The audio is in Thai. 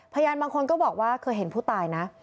พยานบางคนก็บอกว่าเคยเห็นผู้ตายนะ